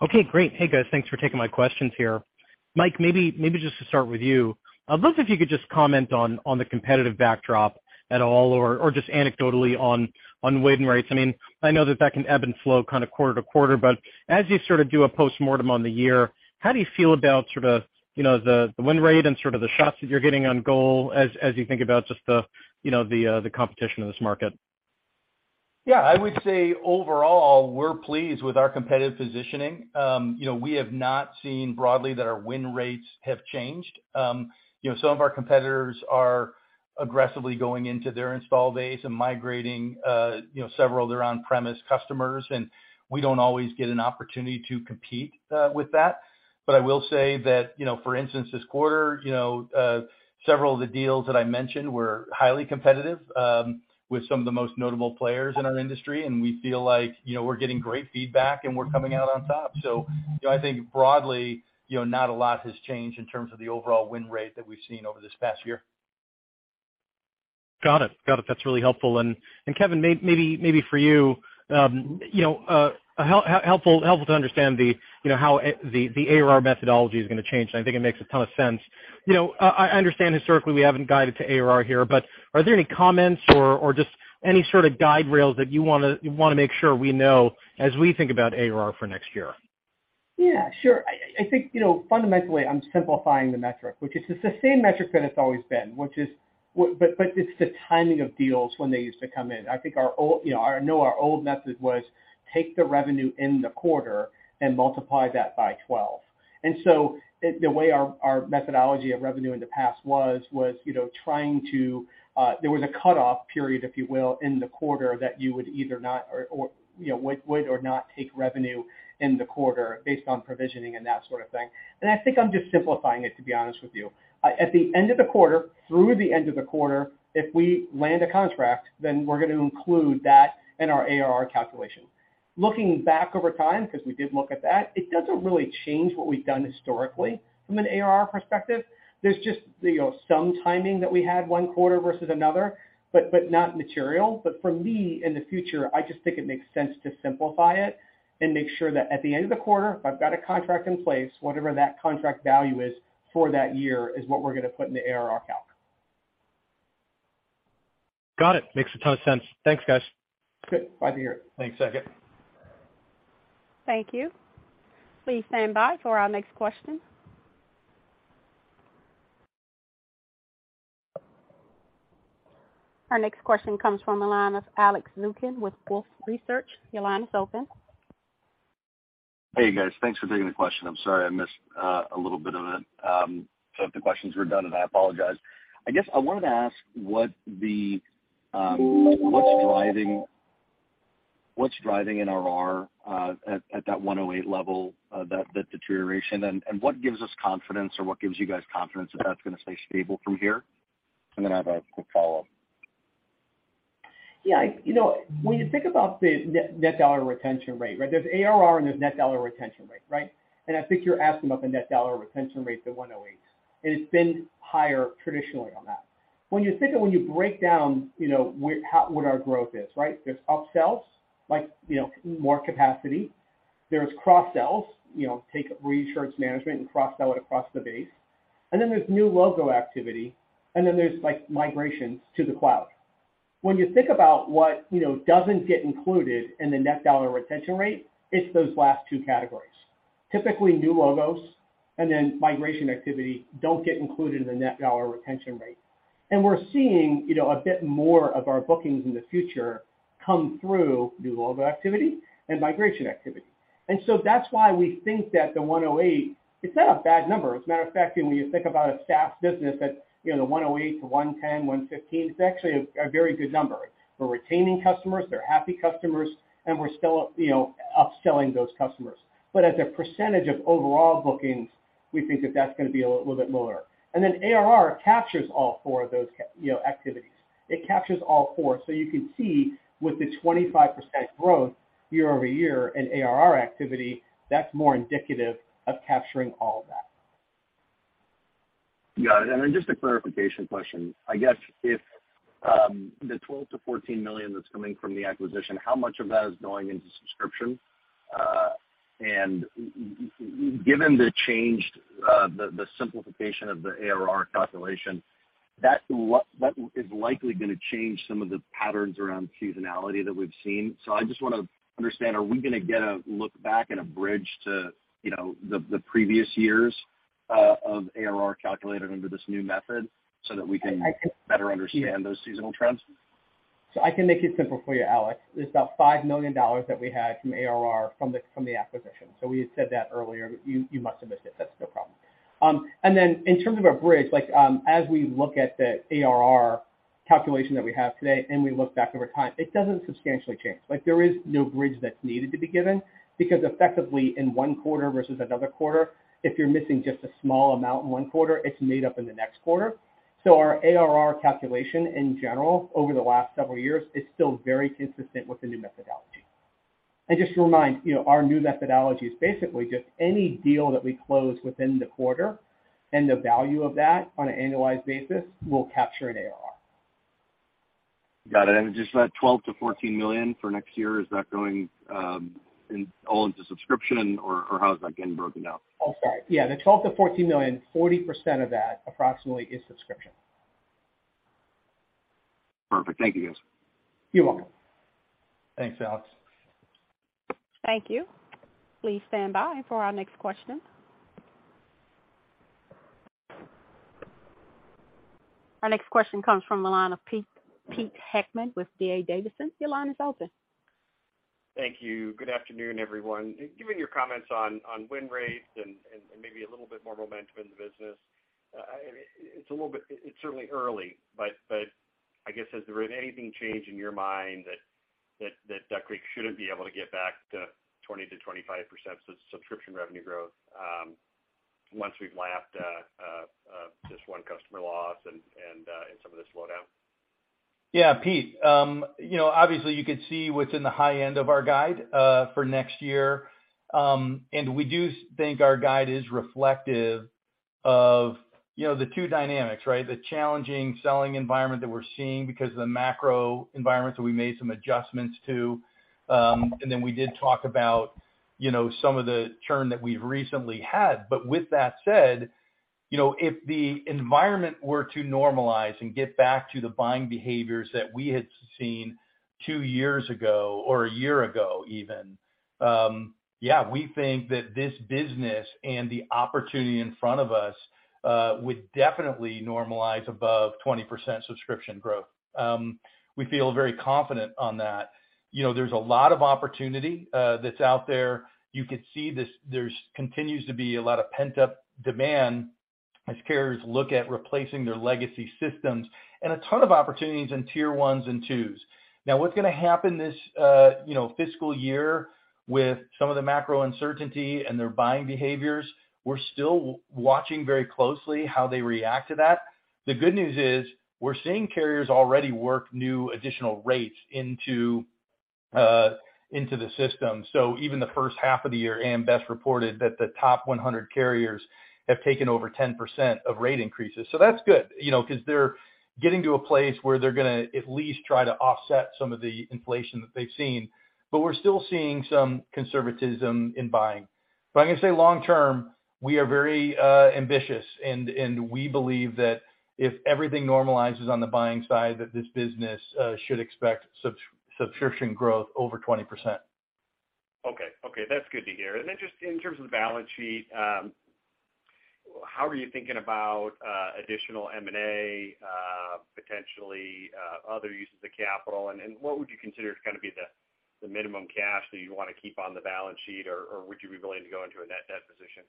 S9: Okay, great. Hey, guys. Thanks for taking my questions here. Mike, maybe just to start with you, I'd love if you could just comment on the competitive backdrop at all or just anecdotally on win rates. I mean, I know that can ebb and flow kind of quarter to quarter, but as you sort of do a postmortem on the year, how do you feel about sort of you know the win rate and sort of the shots that you're getting on goal as you think about just the you know the competition in this market?
S3: Yeah. I would say overall, we're pleased with our competitive positioning. You know, we have not seen broadly that our win rates have changed. You know, some of our competitors are aggressively going into their install base and migrating, you know, several of their on-premise customers, and we don't always get an opportunity to compete with that. I will say that, you know, for instance, this quarter, you know, several of the deals that I mentioned were highly competitive with some of the most notable players in our industry, and we feel like, you know, we're getting great feedback and we're coming out on top. You know, I think broadly, you know, not a lot has changed in terms of the overall win rate that we've seen over this past year.
S9: Got it. That's really helpful. Kevin, maybe for you know, helpful to understand the, you know, how the ARR methodology is gonna change, and I think it makes a ton of sense. You know, I understand historically we haven't guided to ARR here, but are there any comments or just any sort of guide rails that you wanna make sure we know as we think about ARR for next year?
S4: Yeah, sure. I think, you know, fundamentally I'm simplifying the metric, which is the same metric that it's always been, but it's the timing of deals when they used to come in. I think our old, you know, I know our old method was take the revenue in the quarter and multiply that by 12. The way our methodology of revenue in the past was, you know, trying to there was a cutoff period, if you will, in the quarter that you would either not or, you know, would or not take revenue in the quarter based on provisioning and that sort of thing. I think I'm just simplifying it, to be honest with you. At the end of the quarter, through the end of the quarter, if we land a contract, then we're gonna include that in our ARR calculation. Looking back over time, 'cause we did look at that, it doesn't really change what we've done historically from an ARR perspective. There's just, you know, some timing that we had one quarter versus another, but not material. For me, in the future, I just think it makes sense to simplify it and make sure that at the end of the quarter, if I've got a contract in place, whatever that contract value is for that year is what we're gonna put in the ARR calc.
S9: Got it. Makes a ton of sense. Thanks, guys.
S4: Good bye for you.
S3: Thanks, Saket.
S1: Thank you. Please stand by for our next question. Our next question comes from the line of Alex Zukin with Wolfe Research. Your line is open.
S10: Hey, guys. Thanks for taking the question. I'm sorry I missed a little bit of it. If the questions were done then I apologize. I guess I wanted to ask what's driving NRR at that 108 level, that deterioration? What gives us confidence or what gives you guys confidence that that's gonna stay stable from here? Then I have a quick follow-up.
S4: Yeah, you know, when you think about the net dollar retention rate, right? There's ARR and there's net dollar retention rate, right? I think you're asking about the net dollar retention rate, the 108%. It's been higher traditionally on that. When you break down, you know, where, how, what our growth is, right? There's upsells, like, you know, more capacity. There's cross sells, you know, take reinsurance management and cross sell it across the base. Then there's new logo activity, and then there's like migrations to the cloud. When you think about what, you know, doesn't get included in the net dollar retention rate, it's those last two categories. Typically, new logos and then migration activity don't get included in the net dollar retention rate. We're seeing, you know, a bit more of our bookings in the future come through new logo activity and migration activity. So that's why we think that the 108, it's not a bad number. As a matter of fact, when you think about a SaaS business that, you know, the 108 to 110, 115, it's actually a very good number. We're retaining customers, they're happy customers, and we're still, you know, upselling those customers. As a percentage of overall bookings, we think that that's gonna be a little bit lower. Then ARR captures all four of those activities. It captures all four, so you can see with the 25% growth year-over-year in ARR activity, that's more indicative of capturing all of that.
S10: Got it. Just a clarification question. I guess if the $12 million-$14 million that's coming from the acquisition, how much of that is going into subscription? Given the change to the simplification of the ARR calculation, that is likely gonna change some of the patterns around seasonality that we've seen. I just wanna understand, are we gonna get a look back and a bridge to the previous years of ARR calculated under this new method so that we can better understand those seasonal trends?
S4: I can make it simple for you, Alex. There's about $5 million that we had from ARR from the acquisition. We had said that earlier, but you must have missed it. That's no problem. In terms of our bridge, like, as we look at the ARR calculation that we have today and we look back over time, it doesn't substantially change. Like, there is no bridge that's needed to be given because effectively in one quarter versus another quarter, if you're missing just a small amount in one quarter, it's made up in the next quarter. Our ARR calculation in general over the last several years is still very consistent with the new methodology. Just to remind, you know, our new methodology is basically just any deal that we close within the quarter and the value of that on an annualized basis, we'll capture an ARR.
S10: Got it. Just that $12 million-$14 million for next year, is that going all into subscription or how is that getting broken down?
S4: Oh, sorry. Yeah, the $12 million-$14 million, 40% of that approximately is subscription.
S10: Perfect. Thank you, guys.
S4: You're welcome.
S3: Thanks, Alex.
S1: Thank you. Please stand by for our next question. Our next question comes from the line of Pete, Peter Heckmann with D.A. Davidson. Your line is open.
S11: Thank you. Good afternoon, everyone. Given your comments on win rates and maybe a little bit more momentum in the business, it's certainly early, but I guess has there been anything changed in your mind that Duck Creek shouldn't be able to get back to 20%-25% subscription revenue growth, once we've lapped this one customer loss and some of the slowdown?
S3: Yeah. Pete, you know, obviously you could see what's in the high end of our guide, for next year. We do think our guide is reflective of, you know, the two dynamics, right? The challenging selling environment that we're seeing because of the macro environment that we made some adjustments to. We did talk about, you know, some of the churn that we've recently had. With that said, you know, if the environment were to normalize and get back to the buying behaviors that we had seen two years ago or a year ago even, yeah, we think that this business and the opportunity in front of us, would definitely normalize above 20% subscription growth. We feel very confident on that. You know, there's a lot of opportunity, that's out there. You could see this. There's continues to be a lot of pent-up demand as carriers look at replacing their legacy systems and a ton of opportunities in tier ones and twos. Now, what's gonna happen this fiscal year with some of the macro uncertainty and their buying behaviors, we're still watching very closely how they react to that. The good news is we're seeing carriers already work new additional rates into the system. Even the first half of the year, AM Best reported that the top 100 carriers have taken over 10% of rate increases. That's good, you know, 'cause they're getting to a place where they're gonna at least try to offset some of the inflation that they've seen. We're still seeing some conservatism in buying. I'm gonna say long term, we are very ambitious and we believe that if everything normalizes on the buying side, that this business should expect subscription growth over 20%.
S11: Okay. Okay, that's good to hear. Then just in terms of the balance sheet, how are you thinking about additional M&A, potentially, other uses of capital? What would you consider to kind of be the minimum cash that you wanna keep on the balance sheet? Would you be willing to go into a net debt position?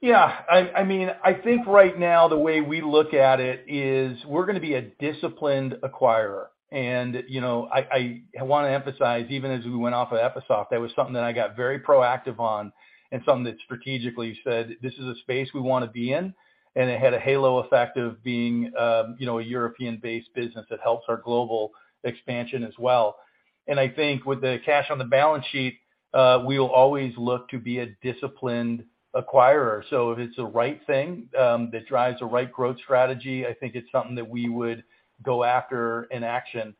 S3: Yeah, I mean, I think right now the way we look at it is we're gonna be a disciplined acquirer. You know, I want to emphasize, even as we went after Effisoft, that was something that I got very proactive on and something that strategically said, this is a space we wanna be in. It had a halo effect of being, you know, a European-based business that helps our global expansion as well. I think with the cash on the balance sheet, we will always look to be a disciplined acquirer. If it's the right thing that drives the right growth strategy, I think it's something that we would go after in action.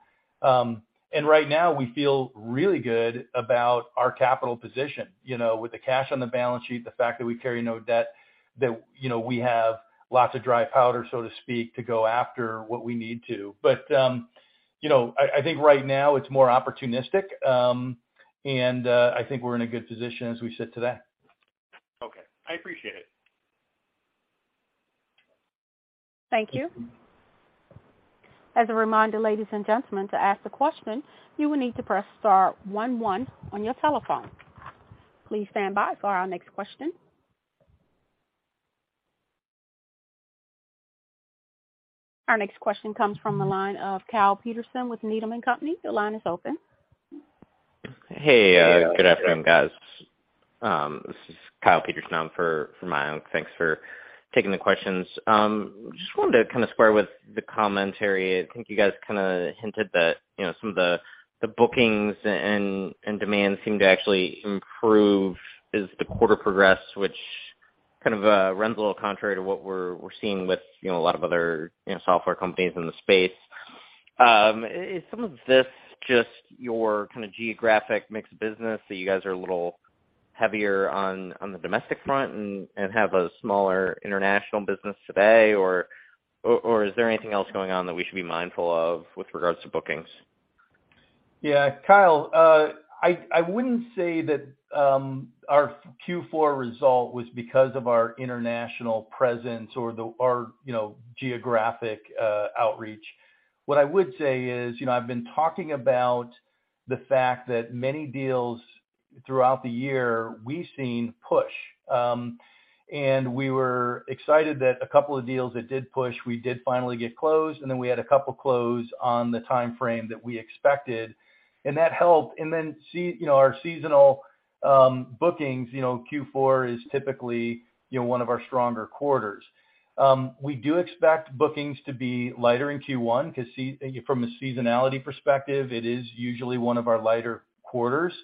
S3: Right now, we feel really good about our capital position. You know, with the cash on the balance sheet, the fact that we carry no debt, that, you know, we have lots of dry powder, so to speak, to go after what we need to. I think right now it's more opportunistic. I think we're in a good position as we sit today.
S11: Okay, I appreciate it.
S1: Thank you. As a reminder, ladies and gentlemen, to ask a question, you will need to press star one one on your telephone. Please stand by for our next question. Our next question comes from the line of Kyle Peterson with Needham & Company. Your line is open.
S12: Hey.
S3: Hey, Kyle.
S12: Good afternoon, guys. This is Kyle Peterson. I'm from Needham. Thanks for taking the questions. Just wanted to kind of square with the commentary. I think you guys kinda hinted that, you know, some of the bookings and demand seemed to actually improve as the quarter progressed, which kind of runs a little contrary to what we're seeing with, you know, a lot of other software companies in the space. Is some of this just your kind of geographic mix business that you guys are a little heavier on the domestic front and have a smaller international business today? Or is there anything else going on that we should be mindful of with regards to bookings?
S3: Yeah, Kyle, I wouldn't say that our Q4 result was because of our international presence or our, you know, geographic outreach. What I would say is, you know, I've been talking about the fact that many deals throughout the year we've seen push. We were excited that a couple of deals that did push, we did finally get closed, and then we had a couple close on the timeframe that we expected, and that helped. You know, our seasonal bookings, you know, Q4 is typically, you know, one of our stronger quarters. We do expect bookings to be lighter in Q1 'cause from a seasonality perspective, it is usually one of our lighter quarters.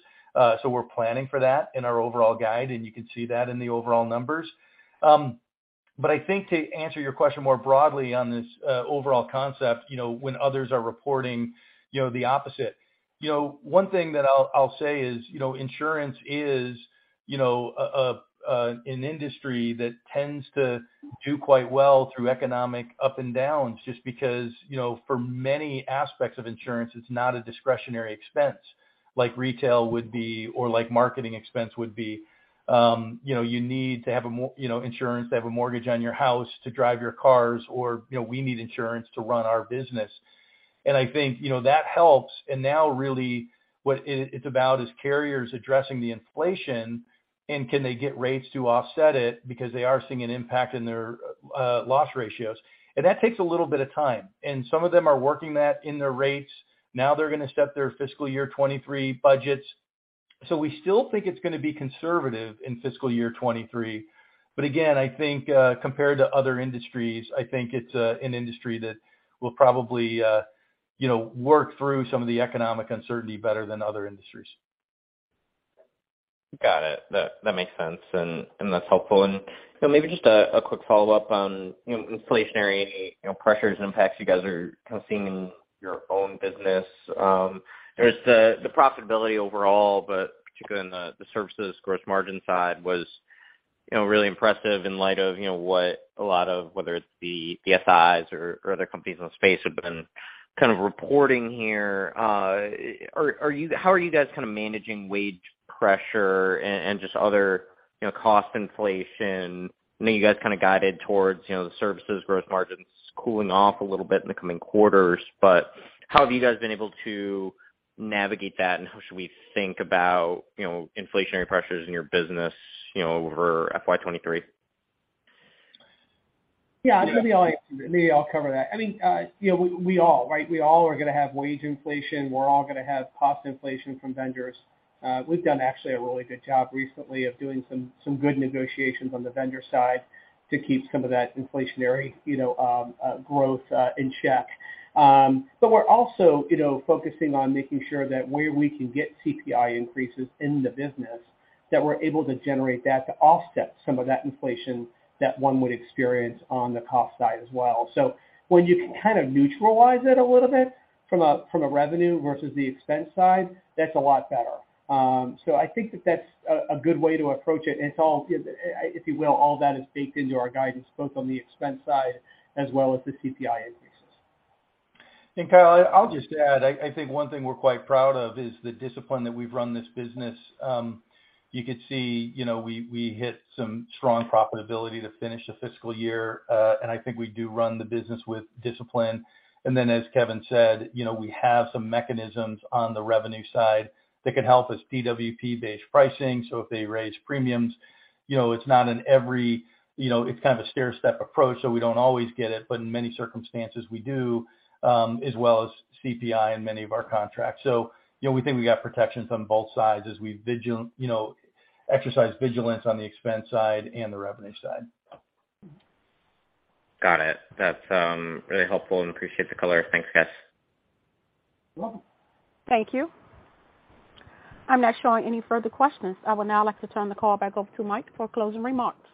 S3: We're planning for that in our overall guide, and you can see that in the overall numbers. I think to answer your question more broadly on this overall concept, you know, when others are reporting, you know, the opposite. You know, one thing that I'll say is, you know, insurance is, you know, an industry that tends to do quite well through economic ups and downs, just because, you know, for many aspects of insurance, it's not a discretionary expense, like retail would be or like marketing expense would be. You know, you need to have insurance to have a mortgage on your house, to drive your cars or, you know, we need insurance to run our business. I think, you know, that helps. Now really what it's about carriers addressing the inflation and can they get rates to offset it because they are seeing an impact in their loss ratios. That takes a little bit of time, and some of them are working that in their rates. Now they're gonna set their fiscal year 2023 budgets. We still think it's gonna be conservative in fiscal year 2023. Again, I think, compared to other industries, I think it's, an industry that will probably, you know, work through some of the economic uncertainty better than other industries.
S12: Got it. That makes sense. That's helpful. You know, maybe just a quick follow-up on, you know, inflationary pressures and impacts you guys are kind of seeing in your own business. There's the profitability overall, but particularly in the services gross margin side was, you know, really impressive in light of, you know, what a lot of, whether it's the SIs or other companies in the space have been kind of reporting here. How are you guys kinda managing wage pressure and just other, you know, cost inflation? I know you guys kinda guided toward, you know, the services growth margins cooling off a little bit in the coming quarters, but how have you guys been able to navigate that, and how should we think about, you know, inflationary pressures in your business, you know, over FY 2023?
S4: Yeah. Maybe I'll answer that. Maybe I'll cover that. I mean, you know, we all, right? We all are gonna have wage inflation. We're all gonna have cost inflation from vendors. We've done actually a really good job recently of doing some good negotiations on the vendor side to keep some of that inflationary, you know, growth, in check. We're also, you know, focusing on making sure that where we can get CPI increases in the business. That we're able to generate that to offset some of that inflation that one would experience on the cost side as well. When you can kind of neutralize it a little bit from a revenue versus the expense side, that's a lot better. I think that that's a good way to approach it, and it's all, if you will, that is baked into our guidance, both on the expense side as well as the CPI increases.
S3: Kyle, I'll just add, I think one thing we're quite proud of is the discipline that we've run this business. You could see, you know, we hit some strong profitability to finish the fiscal year. I think we do run the business with discipline. As Kevin said, you know, we have some mechanisms on the revenue side that could help us, DWP-based pricing, so if they raise premiums, you know, it's not an every, you know, it's kind of a stairstep approach, so we don't always get it, but in many circumstances we do, as well as CPI in many of our contracts. You know, we think we got protections on both sides as we exercise vigilance on the expense side and the revenue side.
S4: Got it. That's really helpful and appreciate the color. Thanks, guys.
S3: You're welcome.
S1: Thank you. I'm not showing any further questions. I would now like to turn the call back over to Mike for closing remarks.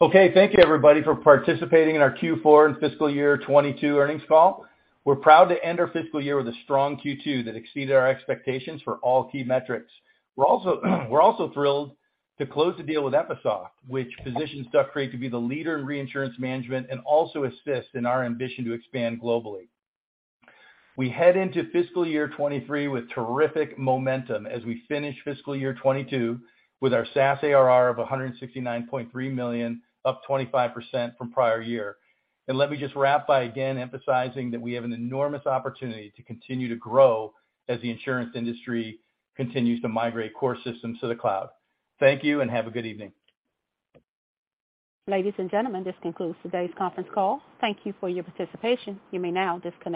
S3: Okay. Thank you everybody for participating in our Q4 and fiscal year 2022 earnings call. We're proud to end our fiscal year with a strong Q2 that exceeded our expectations for all key metrics. We're also thrilled to close the deal with Effisoft, which positions Duck Creek to be the leader in reinsurance management and also assist in our ambition to expand globally. We head into fiscal year 2023 with terrific momentum as we finish fiscal year 2022 with our SaaS ARR of $169.3 million, up 25% from prior year. Let me just wrap by again emphasizing that we have an enormous opportunity to continue to grow as the insurance industry continues to migrate core systems to the cloud. Thank you and have a good evening.
S1: Ladies and gentlemen, this concludes today's conference call. Thank you for your participation. You may now disconnect.